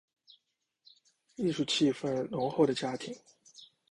艺术气氛浓厚的家庭